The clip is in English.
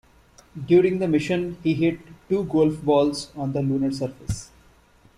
During the mission, he hit two golf balls on the lunar surface.